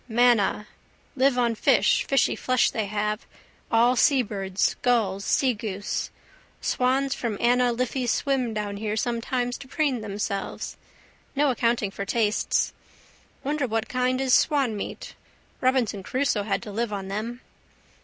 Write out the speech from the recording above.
Manna. Live on fish, fishy flesh they have, all seabirds, gulls, seagoose. Swans from Anna Liffey swim down here sometimes to preen themselves. No accounting for tastes. Wonder what kind is swanmeat. Robinson Crusoe had to live on them.